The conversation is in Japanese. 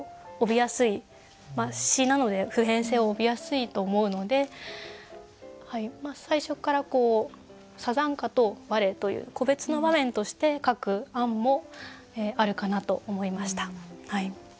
詩なので普遍性を帯びやすいと思うので最初から「山茶花」と「われ」という個別の場面として書く案もあるかなと思いました。